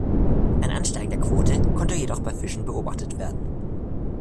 Ein Ansteigen der Quote konnte jedoch bei Fischen beobachtet werden.